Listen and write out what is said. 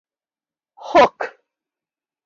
Hook!